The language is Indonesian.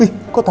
wih kok tau